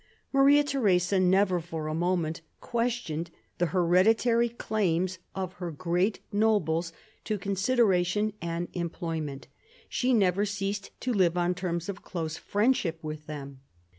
Maria Theresa never for a moment questioned the hereditary claims of her great nobles to consideration and employ ment; she never ceased to live on terms of close friendship with them.